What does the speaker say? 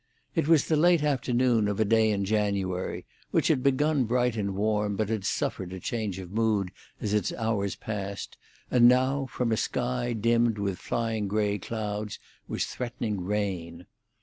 It was the late afternoon of a day in January, which had begun bright and warm, but had suffered a change of mood as its hours passed, and now, from a sky dimmed with flying grey clouds, was threatening rain.